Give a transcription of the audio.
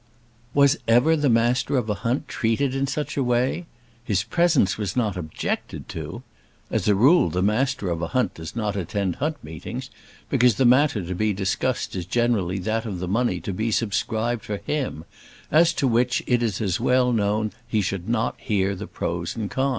Was ever the Master of a hunt treated in such a way! His presence not objected to! As a rule the Master of a hunt does not attend hunt meetings, because the matter to be discussed is generally that of the money to be subscribed for him, as to which it is as well he should not hear the pros and cons.